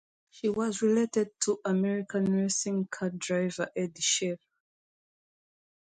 She was related to American racing car driver Eddie Cheever.